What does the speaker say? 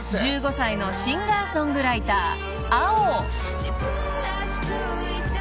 １５歳のシンガー・ソングライター］